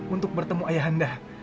untuk bertemu ayah anda